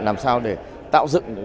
làm sao để tạo dựng